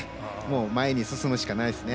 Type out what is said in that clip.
前に進むしかないですね。